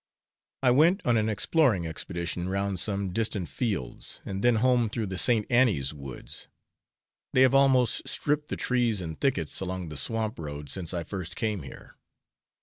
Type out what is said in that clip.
I went on an exploring expedition round some distant fields, and then home through the St. Annie's woods. They have almost stripped the trees and thickets along the swamp road since I first came here.